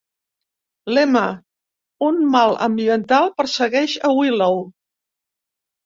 Lema: "Un mal ambiental persegueix a Willow".